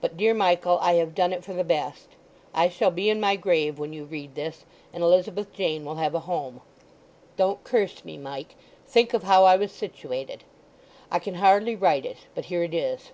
But, dear Michael, I have done it for the best. I shall be in my grave when you read this, and Elizabeth Jane will have a home. Don't curse me Mike—think of how I was situated. I can hardly write it, but here it is.